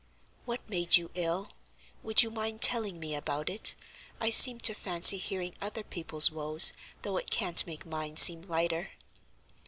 "What made you ill? Would you mind telling me about it? I seem to fancy hearing other people's woes, though it can't make mine seem lighter."